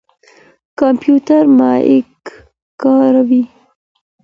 کمپيوټر مايک کاروي.